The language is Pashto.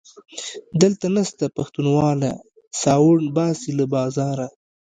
دلته نسته پښتونواله - ساوڼ باسي له بازاره